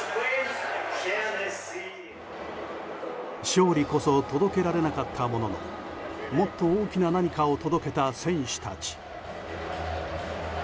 勝利こそ届けられなかったもののもっと大きな何かを届けた選手たち。